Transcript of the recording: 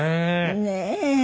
ねえ。